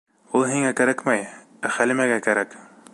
Ул һиңә кәрәкмәй, ә Хәлимәгә кәрәк!